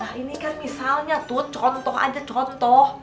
nah ini kan misalnya tuh contoh aja contoh